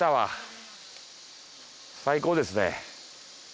最高ですね。